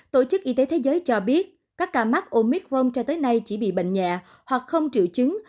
tổ chức y tế thế giới cho biết các ca mắc omicron cho tới nay chỉ bị bệnh nhẹ hoặc không triệu chứng